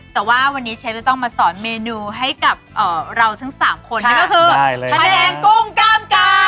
แต่ว่าวันนี้เชฟจะต้องมาสอนเมนูให้กับเราทั้ง๓คนนั่นก็คือไข่แดงกุ้งกล้ามกา